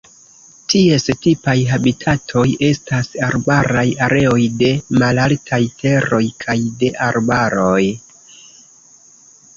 Ties tipaj habitatoj estas arbaraj areoj de malaltaj teroj kaj de arbaroj.